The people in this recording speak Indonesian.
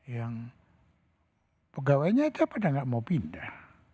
yang pegawainya aja pada nggak mau pindah